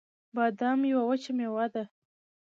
بادام یوه وچه مېوه ده